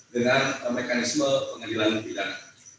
dengan mekanisme pengadilan pidana